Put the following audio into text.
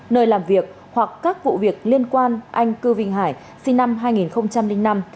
nơi làm việc hoặc các vụ việc liên quan anh cư vinh hải sinh năm hai nghìn năm